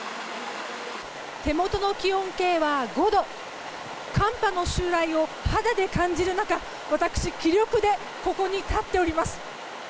手元の気温計は５度寒波の襲来を肌で感じる中私、気力でここに立っております。